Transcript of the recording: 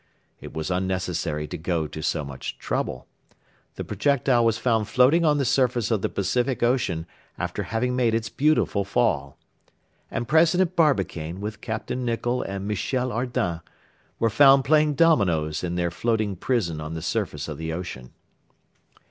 It was unnecessary to go to so much trouble. The projectile was found floating on the surface of the Pacific Ocean after having made its beautiful fall. And President Barbicane with Capt. Nicholl and Michel Ardan were found playing dominoes in their floating prison on the surface of the ocean.